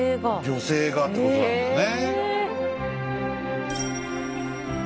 女性がってことなんだね。